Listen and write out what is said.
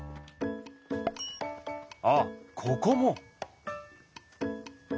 あっここも！